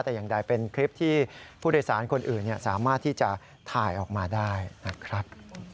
แต่อย่างใดเป็นคลิปที่ผู้โดยสารคนอื่นสามารถที่จะถ่ายออกมาได้นะครับ